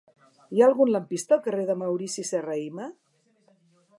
Hi ha algun lampista al carrer de Maurici Serrahima?